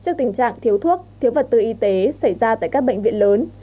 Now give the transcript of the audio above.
trước tình trạng thiếu thuốc thiếu vật tư y tế xảy ra tại các bệnh viện lớn